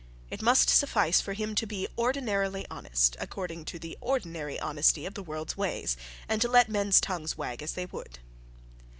It must suffice for him to be ordinarily honest according the ordinary honesty of the world's ways, and to let men's tongues wag as they would.